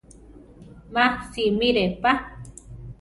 Má simire pa.